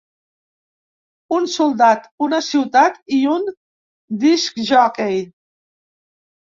Un soldat, una ciutat i un discjòquei.